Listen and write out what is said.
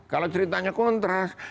kalau ceritanya kontras